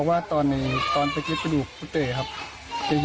ด่างบนนี้มี๔กิจ